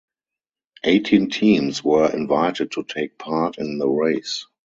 Eighteen teams were invited to take part in the race.